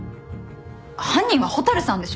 犯人は蛍さんでしょ？